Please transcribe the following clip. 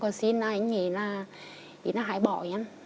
anh ấy nghĩ là hãy bỏ em